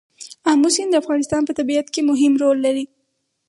آمو سیند د افغانستان په طبیعت کې مهم رول لري.